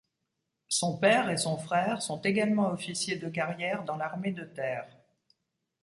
Son père et son frère sont également officiers de carrière dans l'armée de terre.